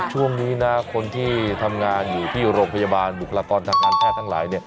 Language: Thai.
ช่วงนี้นะคนที่ทำงานอยู่ที่โรงพยาบาลบุคลากรทางการแพทย์ทั้งหลาย